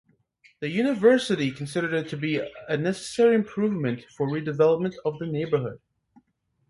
The university considered it to be a necessary improvement for redevelopment of the neighborhood.